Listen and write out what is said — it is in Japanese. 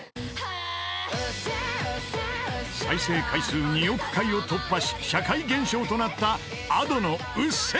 ［再生回数２億回を突破し社会現象となった］